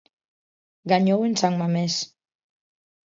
Gañou en San Mamés.